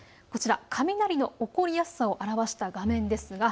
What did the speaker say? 雷の起こりやすさを表した画面です。